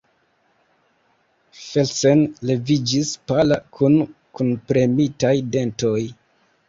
Felsen leviĝis, pala, kun kunpremitaj dentoj.